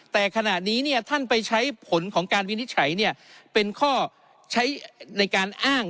แต่ขณะนี้ท่านไปใช้ผลของการวินิจฉัยเป็นข้อใช้ในการอ้าง